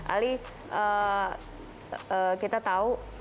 ali kita tahu